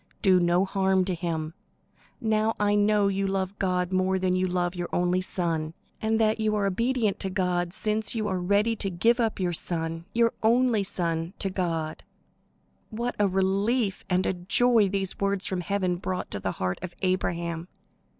Do no harm to him. Now I know that you love God more than you love your only son, and that you are obedient to God, since you are ready to give up your son, your only son, to God." What a relief and a joy these words from heaven brought to the heart of Abraham!